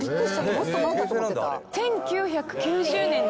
もっと前だと思ってた。